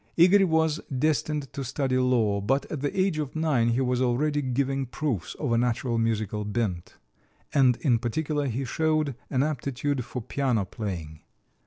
Igor was destined to study law, but at the age of nine he was already giving proofs of a natural musical bent; and in particular he showed an aptitude for piano playing.